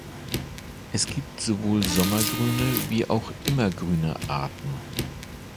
Es gibt sowohl sommergrüne wie immergrüne Arten.